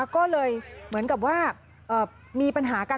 ก็เลยเหมือนกับว่ามีปัญหากัน